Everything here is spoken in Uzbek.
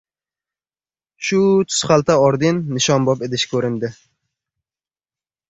Shu tuzxalta orden-nishonbop idish ko‘rindi!